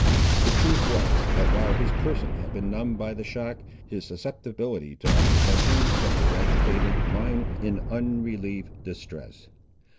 The truth was, that while his person had been numbed by the shock, his susceptibility to apprehension kept his agitated mind in unrelieved distress.